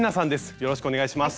よろしくお願いします。